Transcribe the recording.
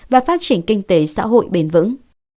và phát triển kinh tế xã hội bền vững